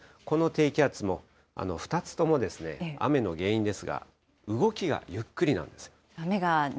この低気圧も２つとも雨の原因ですが、動きがゆっくりなんです。